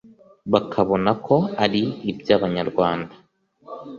bakabona ko ari iby’abanyarwanda.